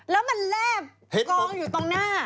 แล้วมันแลบกองอยู่ตรงหน้า